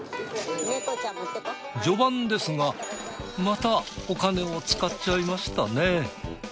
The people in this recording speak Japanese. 序盤ですがまたお金を使っちゃいましたね。